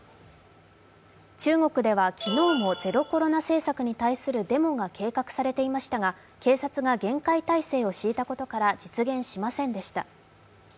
中国では昨日もゼロコロナ政策に対するデモが予定されていましたが警察が厳戒態勢を敷いたことから実現しませんでした。